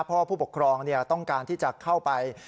เพราะว่าผู้ปกครองต้องการที่จะเข้าไป